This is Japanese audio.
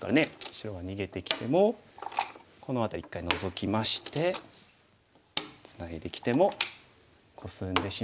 白は逃げてきてもこの辺り１回ノゾきましてツナいできてもコスんでしまえばどうでしょう？